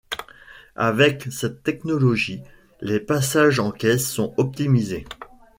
Avec cette technologie, les passages en caisse sont optimisés.